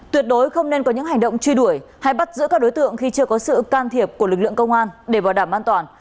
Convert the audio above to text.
tuyệt đối không nên có những hành động truy đuổi hay bắt giữ các đối tượng khi chưa có sự can thiệp của lực lượng công an để bảo đảm an toàn